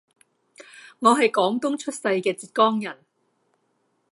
我係廣東出世嘅浙江人